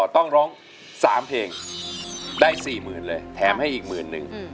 ต้องร้อง๓เพลงได้๔๐๐๐เลยแถมให้อีกหมื่นนึง